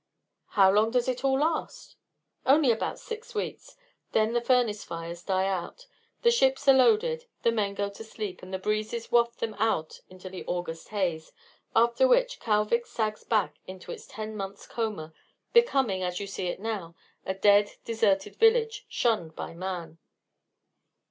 "How long does it all last?" "Only about six weeks; then the furnace fires die out, the ships are loaded, the men go to sleep, and the breezes waft them out into the August haze, after which Kalvik sags back into its ten months' coma, becoming, as you see it now, a dead, deserted village, shunned by man."